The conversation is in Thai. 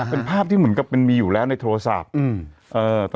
เป็นภาพที่เหมือนกับมันมีอยู่แล้วในโทรศัพท์